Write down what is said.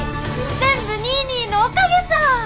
全部ニーニーのおかげさ！